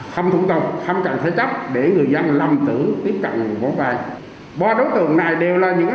không thủng tộc không cần thể chấp để người dân lâm tử tiếp cận vốn vay ba đối tượng này đều là những